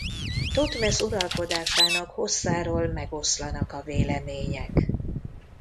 Thotmesz uralkodásának hosszáról megoszlanak a vélemények.